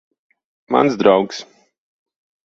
Mans draugs.